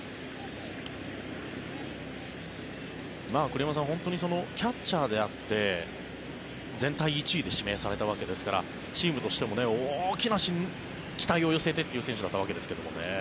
栗山さん、キャッチャーであって全体１位で指名されたわけですからチームとしても大きな期待を寄せてという選手だったわけですけどね。